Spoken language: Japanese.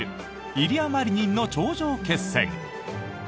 イリア・マリニンの頂上決戦。